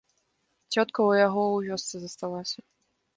Цётка ў яго ў вёсцы засталася.